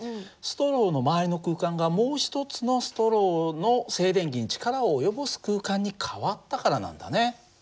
ストローの周りの空間がもう一つのストローの静電気に力を及ぼす空間に変わったからなんだね。